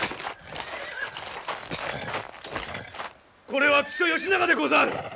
・これは木曽義仲でござる。